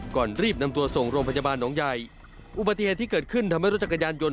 ก่อนรีบนำตัวส่งโรงพยาบาลหนองใหญ่อุบัติเหตุที่เกิดขึ้นทำให้รถจักรยานยนต